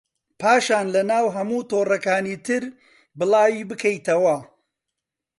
پاشان لەناو هەموو تۆڕەکانی تر بڵاوی بکەیتەوە